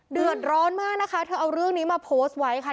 เดือดร้อนมากนะคะเธอเอาเรื่องนี้มาโพสต์ไว้ค่ะ